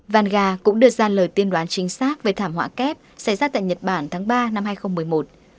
van cũng đưa ra lời tiên đoán chính xác về thảm họa kép xảy ra tại nhật bản tháng ba năm hai nghìn một mươi một